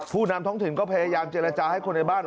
นำท้องถิ่นก็พยายามเจรจาให้คนในบ้าน